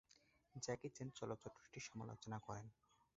Jackie Chan চলচ্চিত্রটির সমালোচনা করেন।